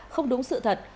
không đúng sự thật